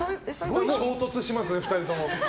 すごい衝突しますね、２人とも。